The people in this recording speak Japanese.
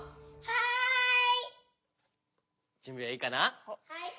はい。